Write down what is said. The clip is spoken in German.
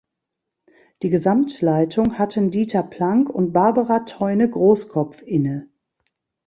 Die Gesamtleitung hatten Dieter Planck und Barbara Theune-Großkopf inne.